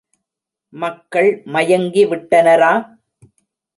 மக்கள் மயங்கி விட்டனரா?